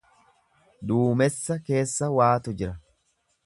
Duumessa keessa waatu jira.